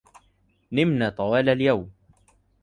نمنا طوال اليوم.